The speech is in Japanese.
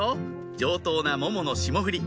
上等なももの霜降り